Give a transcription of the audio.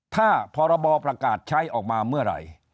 ถ้าพรบประกาศใช้ออกมาเมื่อไหร่